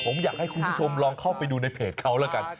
ผมอยากให้คุณผู้ชมลองเข้าไปดูในเพจเขาแล้วกัน